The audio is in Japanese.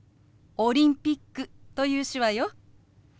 「オリンピック」という手話よ。